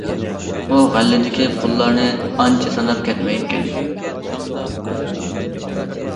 ئۇ غەللىدىكى پۇللارنى ئانچە ساناپ كەتمەيدىكەن.